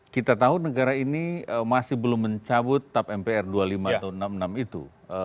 kita tahu negara ini masih belum mencabut tap mpr dua puluh lima atau enam puluh enam itu